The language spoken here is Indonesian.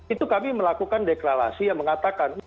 itu kami melakukan deklarasi yang mengatakan